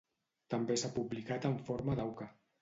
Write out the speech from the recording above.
També s'ha publicat en forma d'auca.